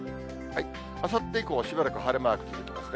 あさって以降、しばらく晴れマーク続きますね。